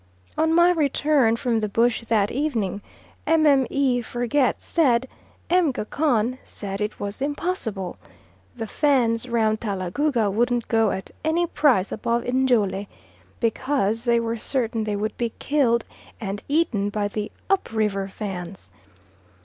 On my return from the bush that evening, Mme. Forget said M. Gacon said "it was impossible," the Fans round Talagouga wouldn't go at any price above Njole, because they were certain they would be killed and eaten by the up river Fans.